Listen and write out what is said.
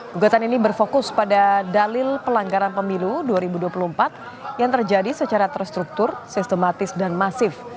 gugatan ini berfokus pada dalil pelanggaran pemilu dua ribu dua puluh empat yang terjadi secara terstruktur sistematis dan masif